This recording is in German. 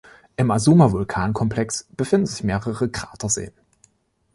Im Azuma-Vulkankomplex befinden sich mehrere Kraterseen.